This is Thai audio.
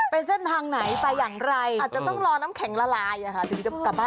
เปลี่ยนเส้นทางไหมค่ะ